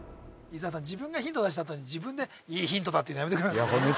自分がヒント出したあとに自分でいいヒントだって言うのやめてもらえます？